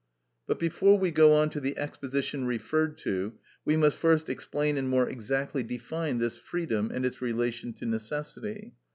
But before we go on to the exposition referred to, we must first explain and more exactly define this freedom and its relation to necessity.